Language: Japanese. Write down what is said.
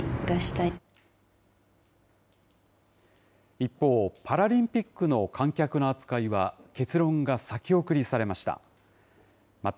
一方、パラリンピックの観客の扱いは結論が先送りされました。